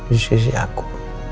di sisi aku